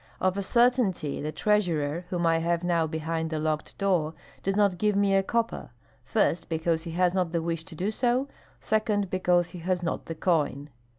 Of a certainty the treasurer, whom I have now behind a locked door, does not give me a copper, first, because he has not the wish to do so; second; because he has not the coin.